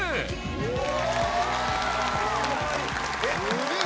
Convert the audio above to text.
すげえ！